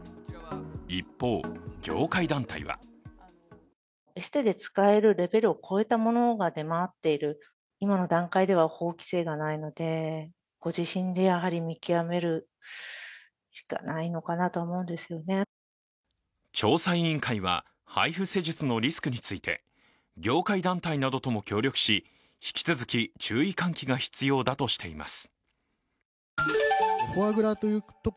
一方、業界団体は調査委員会はＨＩＦＵ施術のリスクについて業界団体などとも協力し引き続き注意喚起が必要だとしています。